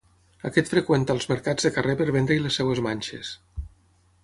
Aquest freqüenta els mercats de carrer per vendre-hi les seves manxes.